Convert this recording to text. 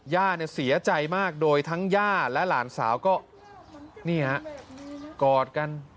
ย่าเสียใจมากโดยทั้งย่าและหลานสาวก็กอดกัน